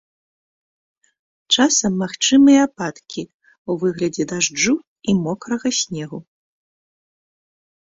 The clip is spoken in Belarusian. Часам магчымыя ападкі ў выглядзе дажджу і мокрага снегу.